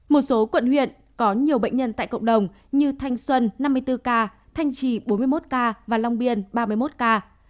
một số quận huyện có nhiều bệnh nhân tại cộng đồng như thanh xuân năm mươi bốn ca thanh trì bốn mươi một ca và long biên ba mươi một ca